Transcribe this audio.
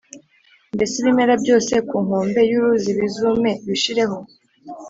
mbese ibimera byose ku nkombe y’uruzi bizume, bishireho,